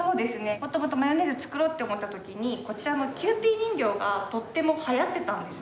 元々マヨネーズ作ろうって思った時にこちらのキユーピー人形がとても流行ってたんです日本で。